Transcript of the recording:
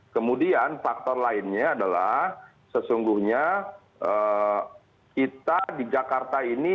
kemudian faktor lainnya adalah sesungguhnya kita di jakarta ini